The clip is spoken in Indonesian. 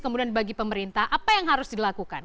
kemudian bagi pemerintah apa yang harus dilakukan